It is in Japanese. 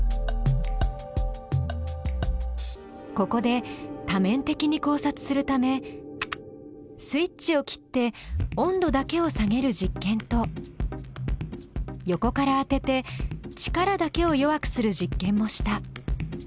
ここで多面的に考察するためスイッチを切って温度だけを下げる実験と横から当てて力だけを弱くする実験もした。